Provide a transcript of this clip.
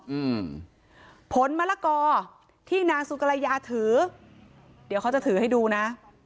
อืมผลมะละกอที่นางสุกรยาถือเดี๋ยวเขาจะถือให้ดูนะ